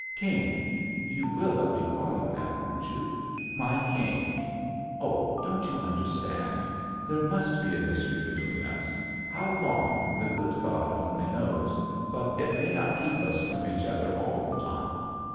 "King — ^you will let me call you that, won't you ?— ^my King I Oh, don't you understand ? There must be a mystery between us; how long, the good God only knows — ^but it may not keep us from each other all the time.